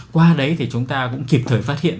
qua đấy thì chúng ta cũng kịp thời phát hiện